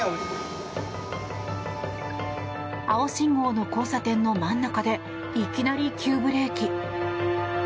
青信号の交差点の真ん中でいきなり、急ブレーキ。